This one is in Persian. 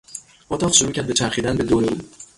اتاق شروع کرد به چرخیدن به دور او.